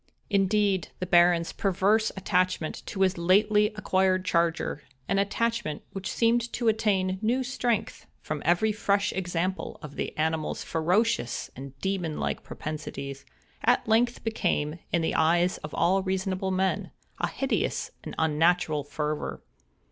Indeed, the Baron's perverse attachment to his lately acquired charger—an attachment which seemed to attain new strength from every fresh example of the animal's ferocious and demon like propensities—at length became, in the eyes of all reasonable men, a hideous and unnatural fervor.